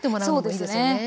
そうですね。